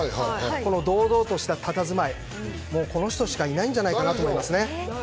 この堂々とした佇まい、この人しかいないんじゃないかと思いますね。